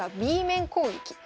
Ｂ面攻撃。